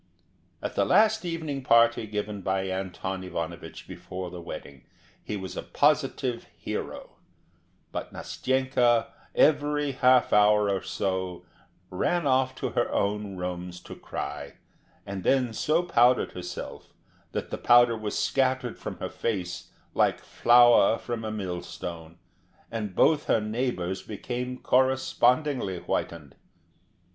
At the last evening party given by Anton Ivanovich before the wedding, he was a positive hero; but Nastenka every half hour or so ran off to her own rooms to cry, and then so powdered herself, that the powder was scattered from her face like flour from a millstone, and both her neighbours became correspondingly whitened.